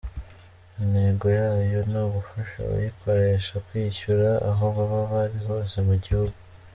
Intego yayo ni ugufasha abayikoresha kwishyura aho baba bari hose mu gihugu.